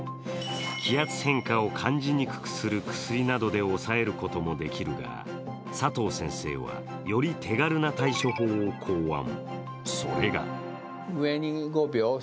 気圧変化を感じにくくする薬などで抑えることもできるが佐藤先生は、より手軽な対処法を考案。